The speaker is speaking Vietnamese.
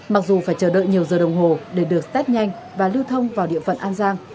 mặc dù phải chờ đợi nhiều giờ đồng hồ để được test nhanh và lưu thông vào địa phận an giang